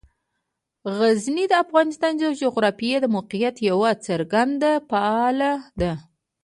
غزني د افغانستان د جغرافیایي موقیعت یوه څرګنده پایله ده.